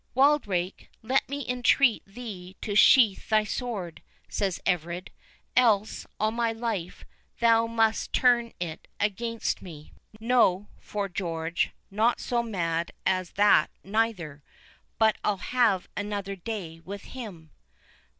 "Wildrake, let me entreat thee to sheathe thy sword," said Everard, "else, on my life, thou must turn it against me." "No, 'fore George, not so mad as that neither, but I'll have another day with him."